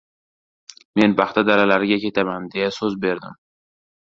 «Men paxta dalalariga ketaman», deya so‘z berdim.